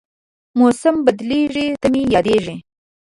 موسم بدلېږي، ته مې یادېږې